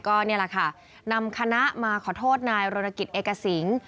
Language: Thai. ก็นี่แหละค่ะนำคณะมาขอโทษนายรณกิจเอกสิง